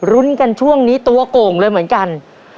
รุ้นกันช่วงนี้ตัวโก่งเลยเหมือนกัน